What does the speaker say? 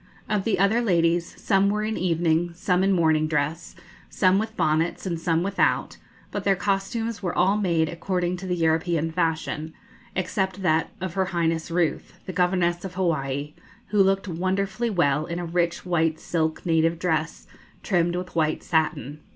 Of the other ladies, some were in evening, some in morning dress, some with bonnets and some without; but their costumes were all made according to the European fashion, except that of her Highness Ruth, the Governess of Hawaii, who looked wonderfully well in a rich white silk native dress, trimmed with white satin.